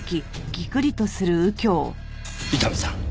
伊丹さん